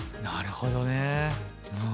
なるほどね。